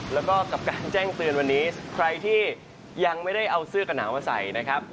แล้วก็กับการแจ้งเตือนวันนี้ใครที่ยังไม่ได้เอาเสื้อกระหนาวมาใส่นะครับ